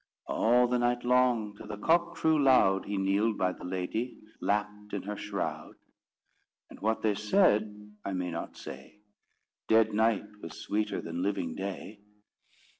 All the night long, till the cock crew loud, He kneeled by the lady, lapt in her shroud. And what they said, I may not say: Dead night was sweeter than living day.